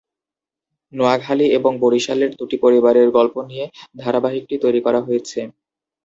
নোয়াখালী এবং বরিশালের দুটি পরিবারের গল্প নিয়ে ধারাবাহিকটি তৈরি করা হয়েছে।